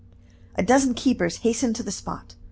A dozen keepers hastened to the spot.